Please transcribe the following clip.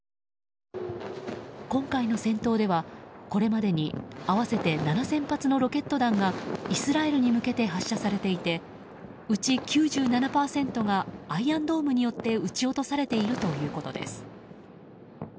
今回の戦闘では、これまでに合わせて７０００発のロケット弾がイスラエルに向けて発射されていてうち９７％がアイアンドームによって撃ち落とされているということです。